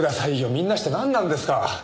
みんなしてなんなんですか？